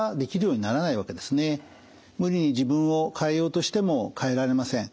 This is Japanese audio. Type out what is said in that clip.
無理に自分を変えようとしても変えられません。